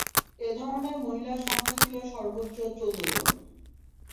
এ ধরনের মহিলার সংখ্যা ছিল সর্বোচ্চ চৌদ্দজন।